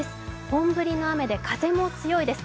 本降りの雨で風も強いです。